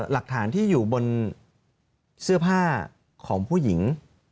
หลักฐานที่อยู่บนเสื้อผ้าของผู้หญิง